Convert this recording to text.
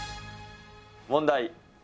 問題。